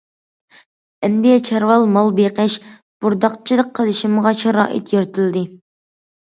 ئەمدى چارۋا مال بېقىش، بورداقچىلىق قىلىشىمغا شارائىت يارىتىلدى.